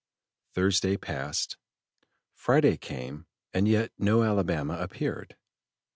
Thursday passed; Friday came, and yet no Alabama appeared.